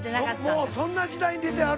「もうそんな時代に出てはるんだ」